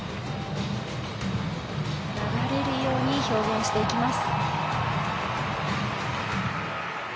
流れるように表現していきます。